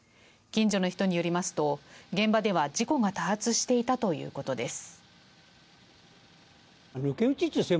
近所の人によりますと現場では事故が多発していたということです。